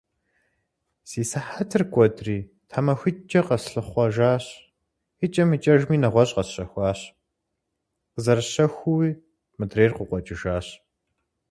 Си сыхьэтыр кӏуэдри, тхьэмахутӏкӏэ къэслъыхъуэжащ. Икӏэм икӏэжым нэгъуэщӏ къэсщэхуащ. Къызэрысщэхуххэуи мыдырейр къыкъуэкӏыжащ.